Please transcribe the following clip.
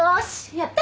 やった。